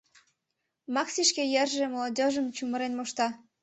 Макси шке йырже молодёжьым чумырен мошта!